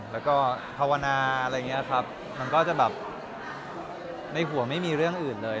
แล้วก็ภาวนาอะไรอย่างนี้ครับมันก็จะแบบในหัวไม่มีเรื่องอื่นเลย